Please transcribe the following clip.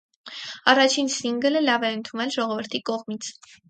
Առաջին սինգլը լավ է ընդունվել ժողովրդի կողմից։